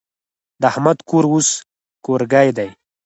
د احمد کور اوس کورګی دی.